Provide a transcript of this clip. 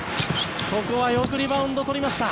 ここはよくリバウンドを取りました。